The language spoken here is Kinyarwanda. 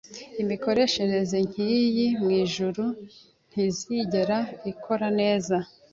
Imikoreshereze nkiyi mwijuru ntizigera ikora neza